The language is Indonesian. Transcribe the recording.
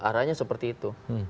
aranya seperti itu